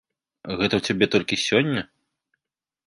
Гэта ў цябе толькі сёння?